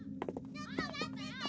ちょっと待ってて！